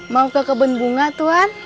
mau ke kebun bunga tuhan